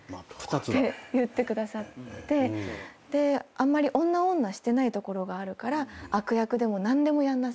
「あんまり女女してないところがあるから悪役でも何でもやんなさい。